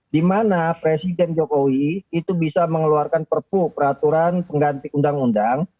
di mana presiden jokowi itu bisa mengeluarkan perpu peraturan pengganti undang undang